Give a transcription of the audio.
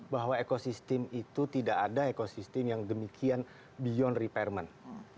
bahwa ekosistem itu tidak ada ekosistem yang demikian beyond repairment